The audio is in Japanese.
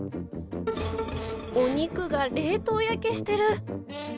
お肉が冷凍焼けしてる。